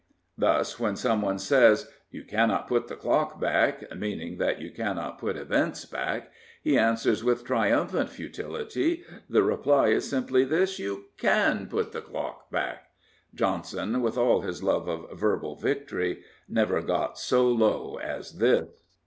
Thus, when someone says, " You cannot put the clock back," meaning that you cannot put events back, he answers with triumphant futility, " The reply is simply this: you can put the clock back." Johnson, with all his love of verbal victory, never got so low as this.